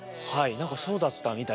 何かそうだったみたいですね。